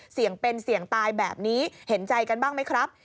เสี่ยงเป็นเสี่ยงตายแบบนี้เห็นใจกันบ้างไหมครับ